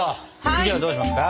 次はどうしますか？